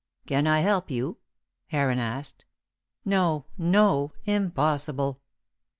"Can I help you?" Heron asked. "No, no. Impossible!"